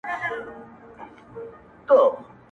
چي په ټولو حیوانانو کي نادان وو-